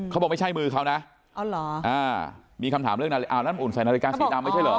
เขาบอกไม่ใช่มือเขานะอ้าวน้ำอุ่นใส่นาฬิกาสีดำไม่ใช่เหรอ